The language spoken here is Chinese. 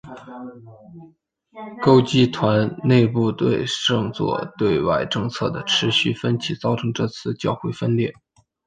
枢机团内部对圣座对外政策的持续分歧造成这次教会分裂。